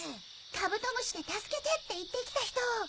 カブトムシで「助けて」って言って来た人を！